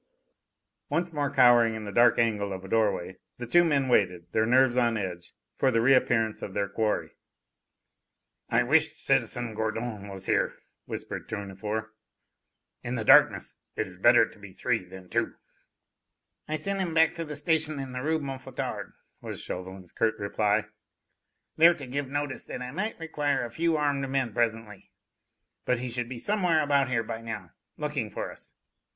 Once more cowering in the dark angle of a doorway, the two men waited, their nerves on edge, for the reappearance of their quarry. "I wish citizen Gourdon were here," whispered Tournefort. "In the darkness it is better to be three than two." "I sent him back to the Station in the Rue Mouffetard," was Chauvelin's curt retort; "there to give notice that I might require a few armed men presently. But he should be somewhere about here by now, looking for us.